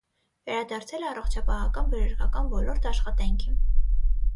Վերադարձել է առողջապահական բժշկական ոլորտ աշխատանքի։